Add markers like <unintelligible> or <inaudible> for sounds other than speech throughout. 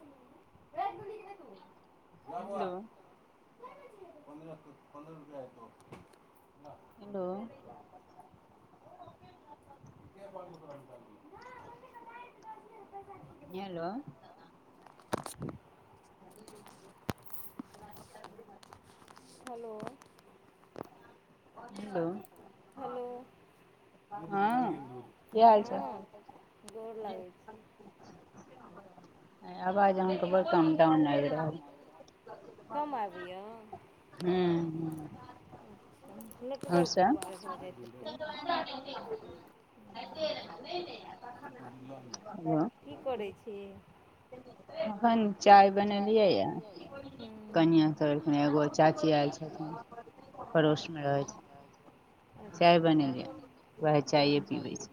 रैख देलही की नय तु ला बैआ <inaudible> hello <inaudible> hello <inaudible> hello hello hello हँ गोर लागै छी आय आवाज अहाँकेँ बड़ कमडाउन आइब रहल कम आबैय हुँ आओर सब <inaudible> की करै छी अखैन चाय बनेलियै यऽ कनियाँ कहलखिन एगो चाची आयल छथिन परोस मे रहै छै चाय बनेलियै वैह चाये पीबै छी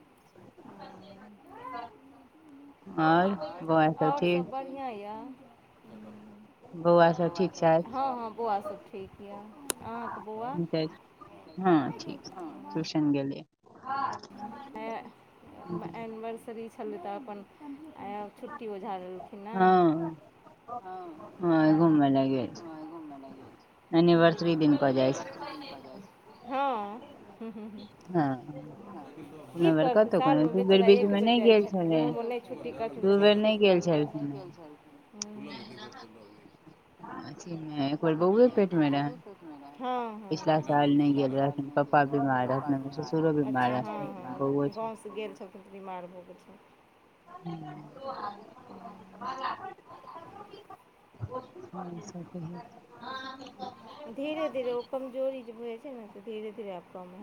आओर सब बढ़िया यऽ बौआ बौआ सभ ठीक यऽ हँ - हँ बौआ सब ठीक यऽ अहाँकेँ बौआ <inaudible> हँ <unintelligible> गेलै <unintelligible> एनवर्सरी छले तऽ अपन आ छुट्टी बझा लेलू <unintelligible> नय हँ हँ आय घमे लऽ गेल छै एनिवर्सरी दिन कऽ जाइ छै क जाय छै हँ हु हु हु हँ की करतै सालमे बेचारा एक बेर जाइ छै ओहोमे नय छुट्टी करथिन तऽ नय ठीक लागै नय भेल छलखिन खुलल यऽ देखियो तऽ खुलल य हँ <unintelligible> हँ हँ अच्छा हँ हँ गाँव से गेल छौ त बीमार भ गेल छौ <unintelligible> <unintelligible> धीरे धीरे ओ कमजोरी जे होइ छै ने तऽ धीरे धीर आब कम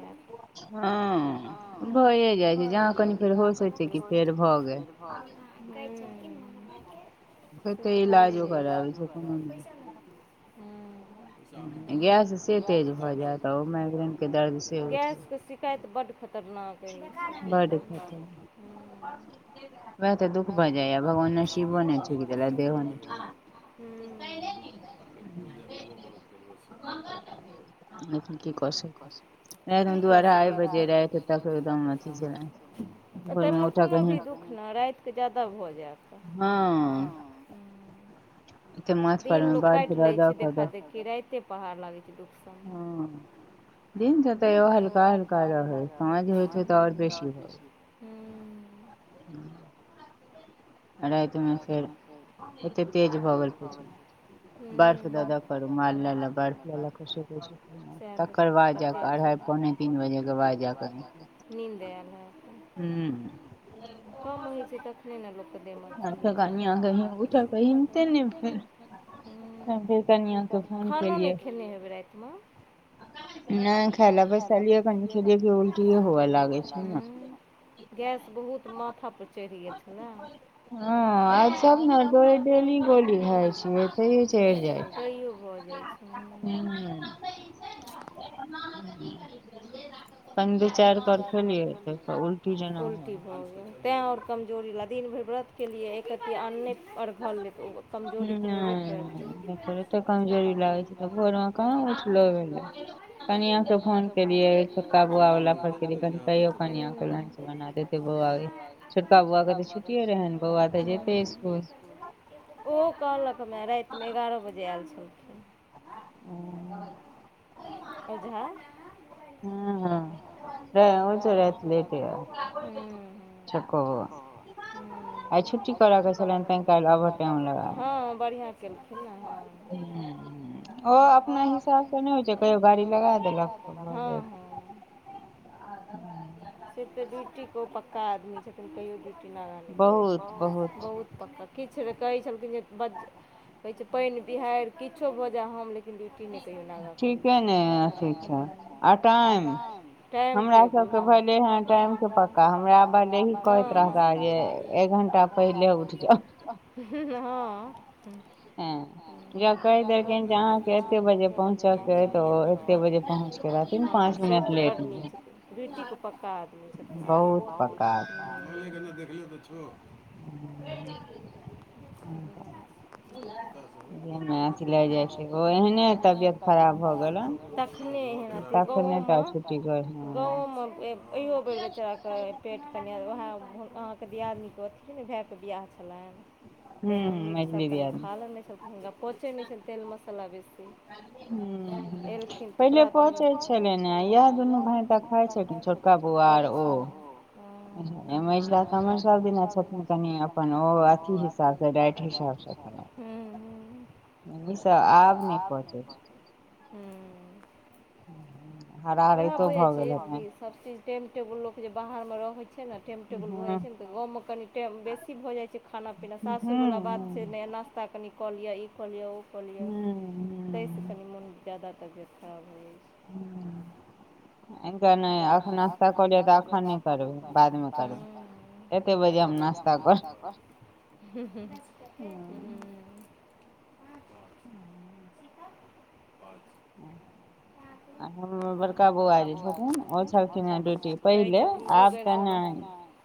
हँ हँ <unintelligible> से त भाइये हु गैस क बड्ड खतरनाक रहछिइ हु <unintelligible> की क सके छी ताहिमे कोनो भी दुःख नहि रातिके जाादा भऽ जायत हँ दिन लोग काटि ले छै देखा देखी राेते पहाड़ लागे छै दुःख हँ दिनसँ तऽ हलका हल्का रहे सआज होइत होइत आओर बेसी हो हूँ <inaudible> राति मे फेर ओतेक तेज भऽ गेल पूछू बर्फ द द करो रुमाल ल ल बर्फ लेलक सु तकर बाद जाऽ अढ़ाई पौने तीन बजे के बाद जा कर नीन्दै अल हटे हू कम होइ छै तखने ने लुक दे म <unintelligible> खानो नहि खेने हेबै राति मे नहि खा ल बसनए उलट होए लागले गैस बहुत माथा पर चढ़ि गेल छलै हँ आछ ने तो डेली गली खइ छिए तैओ छढ़ जाइ छै <inaudible> पन्द दू चार कर खे लये उलटी जेना <unintelligible> तैँ आओर कमजोरी ला दिन भरि व्रतके लिए एकति अन्य आओर घर लेतऽ ओ कमजोरी तऽ हेबे करतै भोर मे कहाँ उठले कनिआ के फोन केलियै <unintelligible> छोटका बऊआ <unintelligible> ओ कहलकमे रातिमे एगारह बजे आयल छौ लेकिन हु ओझा हँ ह अच्छा ठीक हँ बढ़ििया केलखिन ने हँ ह ओ अपना हिसाबसँ नहि होइ छै कहियो गाड़ी लगा देलक तऽ भऽ जायत से तऽ ड्यूटी केपक्का आदमी छथिन कहियो ड्यूटी नागा करैत छथिनह ‌बहुतबहुत किछु कहै छलखिन जे बज कहै छै पानि बिहाड़ि किछो भय जाय हम लेकिन हि सब भै ह टाइमसँ पता हमरा ब एक घण्टा पहि हँ हँ य कहि देलखिन जे अहाँके एते बजे पहुँचय के तऽ ओ एते बजे पहुँच के रहथि कि पाँच मिनट लेट हय चटीके पकका आदमी छथि <inaudible> एहनेतबियत खराब भ सकैतअछि गेलै तखने एहन अथी गाँवौ इहो बेर बेचारा के पेट कनि अहा के दिआदनीके वतैय ने भायके बिआाह छलै ताहिमे मीटसभ कनि खा ललैथ हुनका पोचैत नहि छलनि तेल मसाला बेसी एलखिन तऽप्राते भने ा छ च अपन ओ अथी बैठ ई तऽ आब नहि करै ह् हरा राइतो भऽ गेल हेतेन सबचीज टाइम टेबुल लोक जे बाहरमे रहै छै ने टाइम टेबुल भऽ जाइ छै ने तऽ गाँवमे कनि टाइम बेसी भऽ जाइ छै खाना पीना सासुरवला बात से नहि एना कुत्ता कनि कऽ लिअ ई कऽ लिंक ऊं कऽ लिअ ताहिसँ कनि मोन जादा तबियत खराब भयजाइ छै हू हनका नहि एखन नश्ता कलिय तऽ एखन नहि करबै बादमे करबै एते बाजे हम नश्ता कर हूँ हूँ हूँ बस आ हम बड़का बौआ जे कहुं ओ छलखिनये ड्यूटी पहिले आब तऽ नहि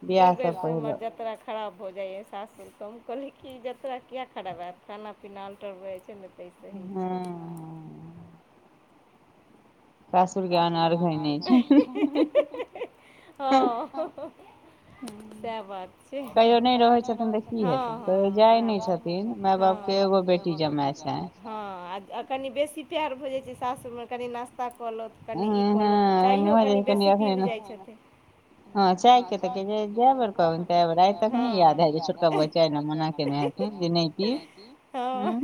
बियाह सब पहिले जतरा खराब भऽ जाइए सास त हम कहली कि जतरा किएक खराब होयत खाना पीना अल्टर ब जाइ छै ने त तसे ही छै र ह सएह बात छै ह ह ऊहेबआत त एगो बेटी जमायछै हँ आ कनि बे प्यार भऽ जाइ छै सासुरमे कनि नास्ता कऽ लौथ कनि ई कऽ लौथ चायो कनि बेसी पीबि जाइत छथिन हँ चआयकेे त जाय जे बेर कहबै तय बेर हँ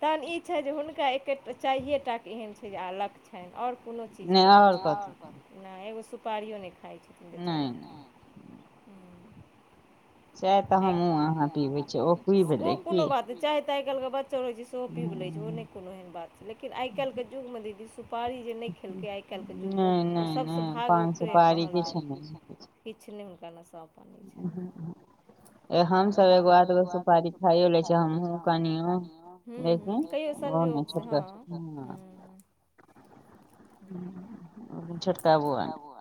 तहन ई छै जे हुनका एके चाएटाके लत छैन आओर कोनो चीजके नहि एगो सुपारियो नहि खाइ छथिन बेचारा <inaudible> ओ कोनो बात जे चाय त आइ काल्हिके बच्चा रह छै सेहो पी ल छै नय कोनो एहन बात छै लेकिन आइकाल्हिके युगमे दीदी सुपारी जे नइ खैलकै आइाल आइकाल्हके जुगमे ओ सबसँ भाग ओकरे कहल जाइ किछु नय हुनका ने सभ हँ <inaudible> <inaudible> हम सब एगो आधगो सुपारी खाइयो ले छी हमहु कनियो <inaudible> से हँ ह छोटका बआ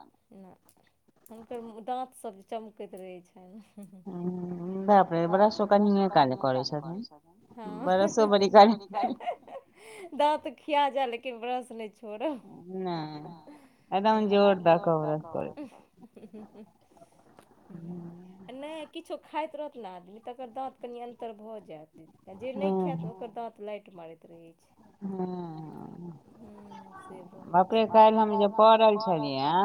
हुनकर दाँतसभ चमकैत रहै छै ह <inaudible> <inaudible> <unintelligible> दात खिया जा लेकिन ब्रश नय छोड़ब नय एदम जोर दक ब्रस करे छे <unintelligible> हूँ आ नय किछो खाइत रहत न आदमी तकर दाँत कनि अन्तर भऽ जायत आ जे नय खायत ओकर दाँत लाइट मारैत रहै छै ह हूँ से भऽ जाइ छै ककरो <inaudible> जे पड़ल छल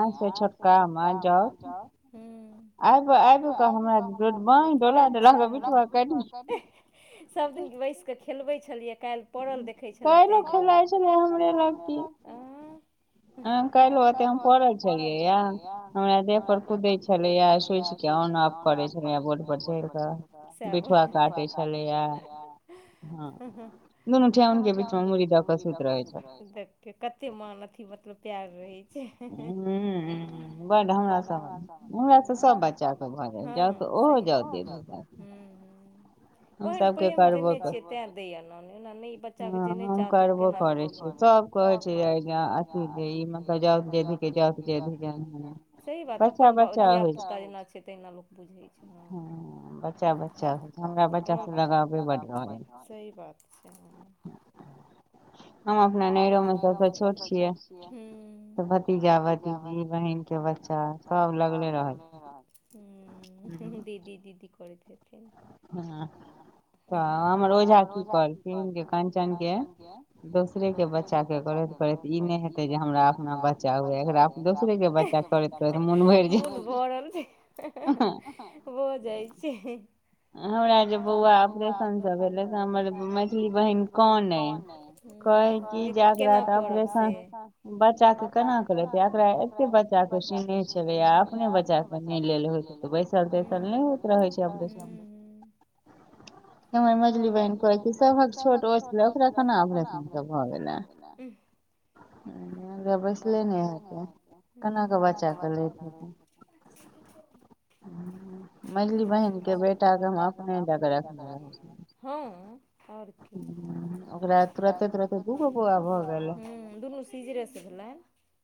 <unintelligible> से छकका मास्टर मे जाउबब <inaudible> अच्छा सब दिन बैस क खेलबै छलियै काल्ह पड़ल देखै छलेथ <inaudible> कइलहु ओते हम पढ़ै छलियै हमरा देख कुदै छले सोचिके ओ करे छलिय बोर्ड पर चढ़ कऽ बिठुआ काटे छलियए दुोनू ठउन के बीच म मुरी दक का सुउत रहे छै के कते मान अथी मतलब प्यार रहै छै <unintelligible> <inaudible> <inaudible> ओहन प्रेम देने छियै तैं दैय न ओ बच्चाे जे नय चाहतै केना जेतै सब कहै छै य ऐ जा <inaudible> ईमे तऽ जाउ <inaudible> सही बात अपन धिय पुता जेना छै तहिना लोक बुझै छ बच्चा बच्चा हमरा बच्चा सब लगाबे बड रहे छै <inaudible> हम अपना नैरोमे सबसे छोट छियै <inaudible> भतीजा भतीजी बहिन के बच्चा सब लगले रहल छै दीदी दीदी करैत हेथिन तऽ हमर ओझा की कहलखिन कञ्चनके दोसरेके बच्चा के करैत करैत ई नइ हेतै जे हमरा अपना बच्चा हुए एकरा दोसरे बच्च दोसरे के बच्चा के करैत करैत मुन भरल छै भ जाइ छै हमरा जे बौआ अपरेशन स भेलै से हमर मैझली बहिन कनेइ <inaudible> केना करब से बच्चा के केना क रखबै <inaudible> <unintelligible> बच्चा के सुनय छल आ अपने बच्चा के नय लेल होए <inaudible> <inaudible> ह हमर मैझली बहिन कहै क सभहक छोट ओ छलै ओकरा केना ऑपरेशन सब भए गेले बैसले नय हेतै केन कऽ बच्चाकेँ लैत हेतै मैझली बहिन के बेटी बेटाक हम अपना लग रख हँ आओर की अकरा त तीज रेस भेलै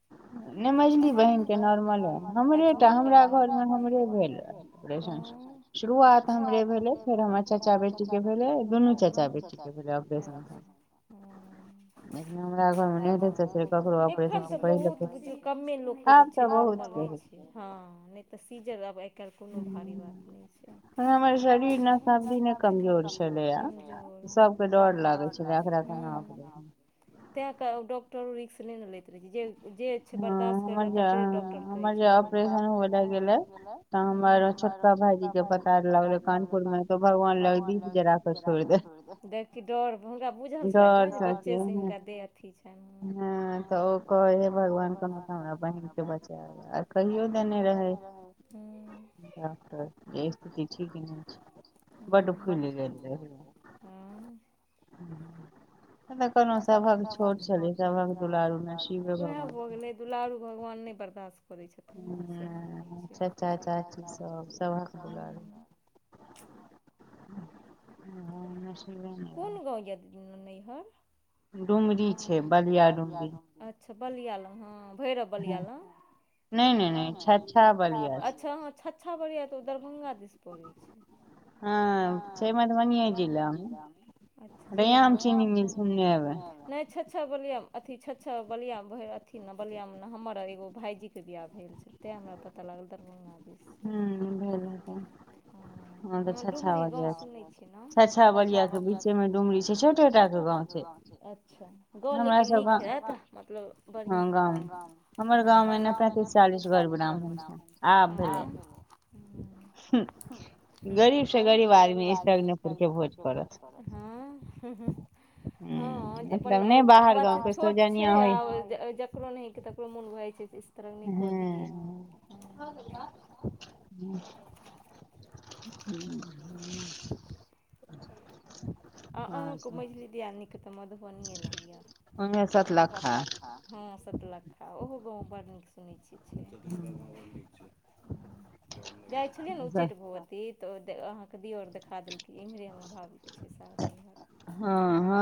<inaudible> शुरुआत शुरुआत हमरे भेलै फेर हमर चाचा बेटी के भेलै दुनू चाचा बेटी <inaudible> छै नॉर्मल होइ छै हँ नहि तऽ सीजर आब आइकाल्हि कोनो भारी बात नहि छै शादी सब कमजोर ह सबके डर तें डॉक्टरो रिकस नै न लैत रहै छै जे जे छै बर्दाश्त करैवला तकरे डॉक्टर कहै छै छोटका भाईजी के बता लगले कानपुर में तो भगवान लग दीप जड़ा के छोड़ि देलक य देख की डर हुनका बुझल छलनि ने जे बच्चे से हिनका दे अथी छनि भगवान कोना तऽ हमरा बहिनके बचा आ कहियो देने रहै डाकटर इ ठीक नहि छै बड्ड फुलि गेल रहै ऽ कोनो सभक छोट छलै सभक दुलारू नै शिवे भगवान दुलारू भगवान नहि बर्दाश करै करै छथिन ने से नै बुझै छियै आ <inaudible> कोन गाँव य नैहँर डुमरी छै बलिया डुमरी अच्छा बलिआ लग हँ भैरव बलिया लग नहि नहि छच्छा ह छछा बलिया तऽ ओ दरभंगा दिस पड़ै छै ह फेमर मधुबनिय जिला अच्छा जिला नहि छछा बलिआ अथी छछा बलिया अथी ने बलिआम हमर एगो भायजी के बियाह भेल छै ते हमरा पता लागल दरभंगा ह्म भेल हेतै तै हँ तऽ छछा बलिया छछा बलिया के <inaudible> बुझ हमर गांव ने पैंतीस चालीस घर ग्राम ह <inaudible> गरीब से गरीब आदमी तनेपुर के भोज हाय हा- हा- हा ह अपन छोट छैयआ जे को नहि ह तकरो मोन भऽ जाइ छै इस तरह नहि कऽ दियै। ह ह <inaudible> ह <inaudible> <inaudible> अहुँ के मझली दियादनीके तऽ मधुबनीये म य सँ सतलखा हँ सतलखा ओहो गाँव बड़ नीक सुनै छी <inaudible> जाइ छलियैन उच्चैठ भगवती अहाँके दियोर देखा देलकै इम्हरे हमर भाबी के घर छैय हँ हँ